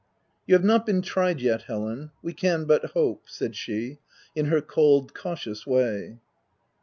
" You have not been tried yet, Helen : we can but hope/' said she, in her cold, cautious way.